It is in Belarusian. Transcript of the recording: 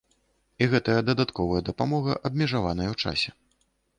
І гэтая дадатковая дапамога абмежаваная ў часе.